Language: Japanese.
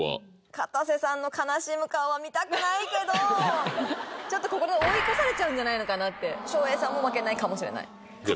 かたせさんの悲しむ顔は見たくないけどちょっとここで追い越されちゃうんじゃないのかなって照英さんも負けないかもしれないじゃあ